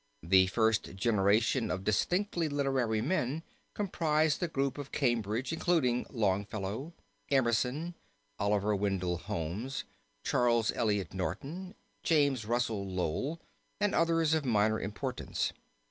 The first generation of distinctly literary men comprise the group at Cambridge including Longfellow, Emerson, Oliver Wendell Holmes, Charles Eliot Norton, James Russell Lowell, and others of minor importance.